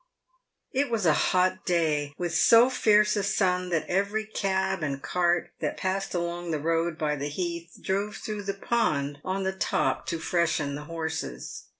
It was a hot day, with so fierce a sun that every cab and cart that passed along the road by the heath drove through the pond on the top to freshen the horses.